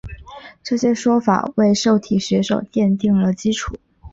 这些说法为受体学说奠定了基础。